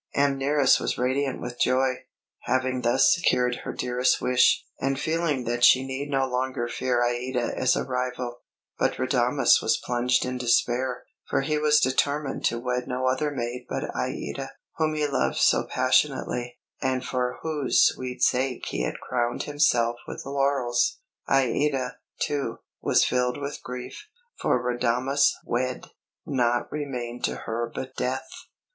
Amneris was radiant with joy, having thus secured her dearest wish, and feeling that she need no longer fear Aïda as a rival; but Radames was plunged in despair, for he was determined to wed no other maid but Aïda, whom he loved so passionately, and for whose sweet sake he had crowned himself with laurels. Aïda, too, was filled with grief, for Radames wed, naught remained to her but death.